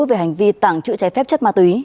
về hành vi tảng trữ trái phép chất ma túy